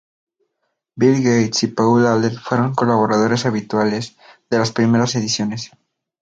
Bill Gates y Paul Allen, fueron colaboradores habituales de las primeras ediciones.